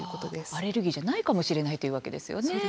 アレルギーじゃないかもしれないというわけですよね。